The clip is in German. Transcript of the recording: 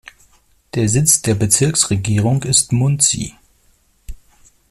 Der Sitz der Bezirksregierung ist Muncie.